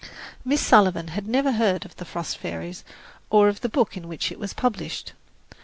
Miss Sullivan had never heard of "The Frost Fairies" or of the book in which it was published.